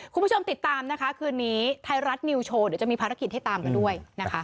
คุณผู้ชมติดตามนะคะคืนนี้ไทยรัฐนิวโชว์เดี๋ยวจะมีภารกิจให้ตามกันด้วยนะคะ